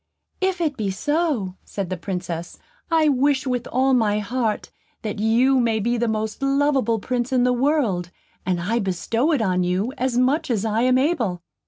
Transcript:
"If it be so," said the Princess, "I wish, with all my heart, that you may be the most lovable Prince in the world, and I bestow it on you, as much as I am able."